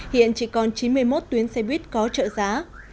hiện chỉ còn chín mươi một tuyến xe buýt có trợ giá